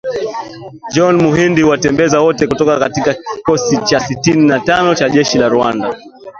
John Muhindi huwatembeza wote kutoka kikosi cha sitini na tano cha jeshi la Rwanda